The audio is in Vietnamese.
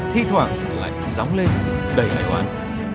thi thoảng lại sóng lên đầy hài hoan